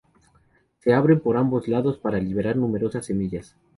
Se abren por ambos lados para liberar numerosas semillas.